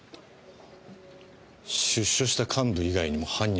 出所した幹部以外にも犯人はいるかも。